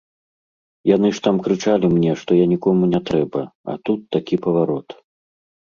Яны ж там крычалі мне, што я нікому не трэба, а тут такі паварот.